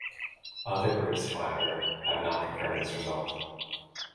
Other groups, however, have not confirmed this result.